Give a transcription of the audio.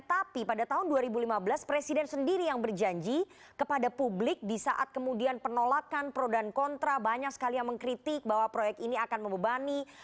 tapi pada tahun dua ribu lima belas presiden sendiri yang berjanji kepada publik di saat kemudian penolakan pro dan kontra banyak sekali yang mengkritik bahwa proyek ini akan membebani